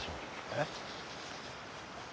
えっ。